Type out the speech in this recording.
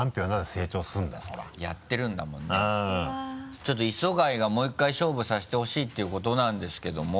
ちょっと磯貝がもう１回勝負させてほしいっていうことなんですけども。